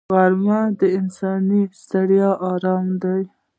غرمه د انساني ستړیا آرام دی